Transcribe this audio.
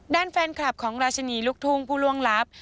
ด้านแฟนคลับของราชินีลูกทุ่งผู้ล่วงลับ